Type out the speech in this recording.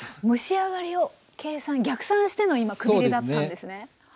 蒸し上がりを計算逆算しての今くびれだったんですね。